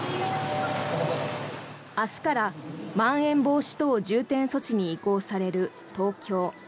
明日からまん延防止等重点措置に移行される東京。